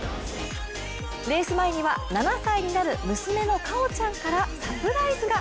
レース前には、７歳になる娘の果緒ちゃんからサプライズが